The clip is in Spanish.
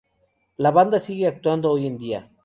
La banda sigue actuando hoy en día..